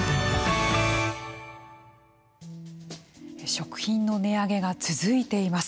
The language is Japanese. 食品の値上げが続いています。